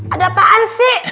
ada apaan sih